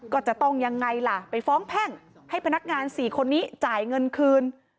ก็จะต้องยังไงล่ะไปฟ้องแพ่งให้พนักงาน๔คนนี้จ่ายเงินคืน